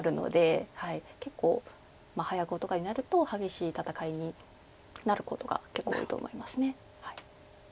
結構早碁とかになると激しい戦いになることが結構多いと思います。